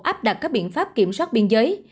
áp đặt các biện pháp kiểm soát biên giới